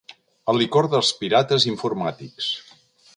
El licor dels pirates informàtics.